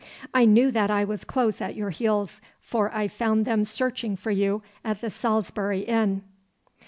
I knew that I was close at your heels, for I found them searching for you at the Salisbury Inn.